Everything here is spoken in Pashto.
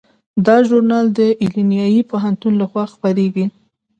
دا ژورنال د ایلینای پوهنتون لخوا خپریږي.